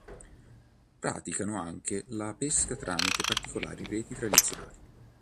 Praticano anche la pesca tramite particolari reti tradizionali.